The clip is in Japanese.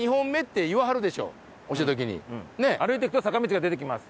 「歩いていくと坂道が出てきます」。